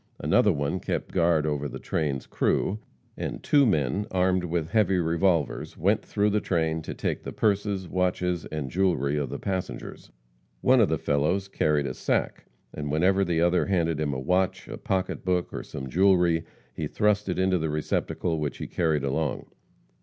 Another one kept guard over the train's crew, and two men, well armed with heavy revolvers, went through the train to take the purses, watches and jewelry of the passengers. One of the fellows carried a sack, and whenever the other handed him a watch, a pocketbook or some jewelry, he thrust it into the receptacle which he carried along.